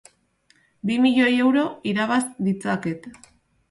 Bi milioi euro irabaz ditzaket.